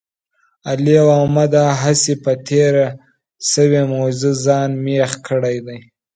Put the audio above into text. علي او احمد هسې په تېره شوې موضوع ځان مېخ کړی دی.